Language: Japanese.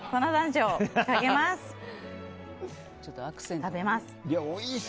食べます。